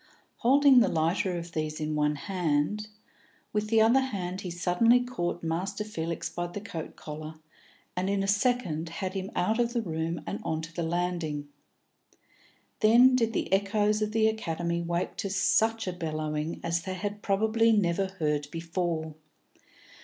Holding the lighter of these in one hand, with the other hand he suddenly caught Master Felix by the coat collar, and in a second had him out of the room and on to the landing. Then did the echoes of the Academy wake to such a bellowing as they had probably never heard before.